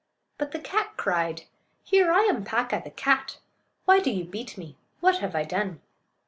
But the cat cried: "Here! I am Paa'ka, the cat. Why do you beat me? What have I done?"